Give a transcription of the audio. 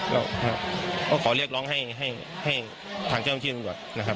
ก็ขอเรียกร้องให้ทางเจ้าต้นที่บริบัตินะครับ